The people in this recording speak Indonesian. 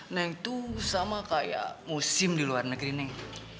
neng tuh sama kayak musim di luar negeri neng